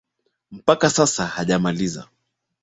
Mpaka sasa hujamaliza